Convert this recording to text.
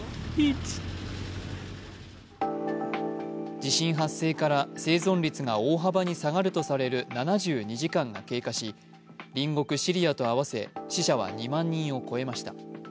地震発生から生存率が大幅に下がるとされる７２時間が経過し隣国シリアと合わせ死者は２万人を超えました。